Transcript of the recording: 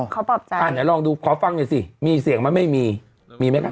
เขาปรับใจอ่ะไหนลองดูขอฟังดิสิมีเสียงมันไม่มีมีไหมครับ